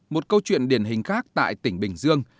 một câu chuyện điển hình khác tại tỉnh bình dương